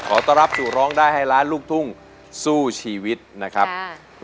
ขอต้อนรับสู่ร้องได้ให้ล้านลูกทุ่งสู้ชีวิตนะครับ